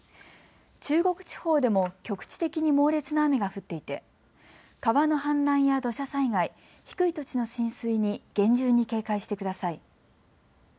中国地方でも局地的に猛烈な雨が降っていて川の氾濫や土砂災害、低い土地の浸水に厳重に警戒してください。